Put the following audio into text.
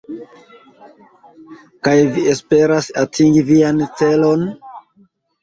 Kaj vi esperas atingi vian celon?